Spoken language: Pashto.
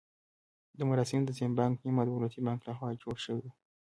دا مراسم د زیمبانک نیمه دولتي بانک لخوا جوړ شوي وو.